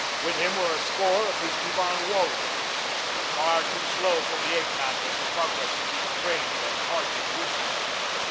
With him were a score of his ebon warriors, but far too slow for the ape man was the progress of these trained and hardened woodsmen.